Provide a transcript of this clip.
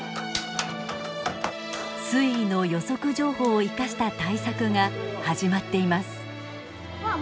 水位の予測情報を生かした対策が始まっています。